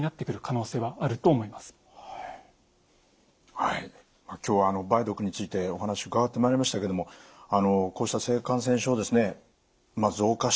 はい今日は梅毒についてお話伺ってまいりましたけどもこうした性感染症増加していってると。